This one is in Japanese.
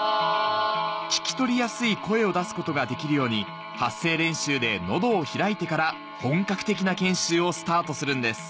聞き取りやすい声を出すことができるように発声練習で喉を開いてから本格的な研修をスタートするんです